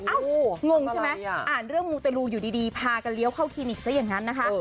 อ้าวลูกงู้ใช่มั้ยอ่านเรื่องมูตรูอยู่นึโดยพากันเลี้ยวเข้าคลินิกซะอย่างนั้นนะคะ